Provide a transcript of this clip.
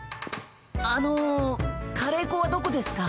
あのカレーこはどこですか？